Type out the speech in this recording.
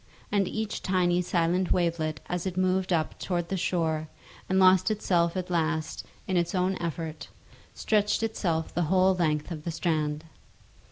And each tiny silent wavelet as it moved up towards the shore and lost itself at last in its own effort, stretched itself the whole length of the strand.